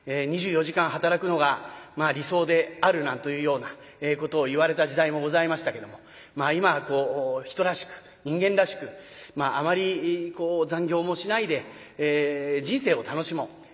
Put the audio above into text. ２４時間働くのが理想であるなんというようなことを言われた時代もございましたけども今はこう人らしく人間らしくあまり残業もしないで人生を楽しもう。